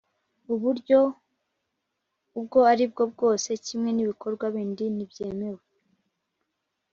uburyo ubwo aribwo bwose kimwe n ibikorwa bindi ntibyemewe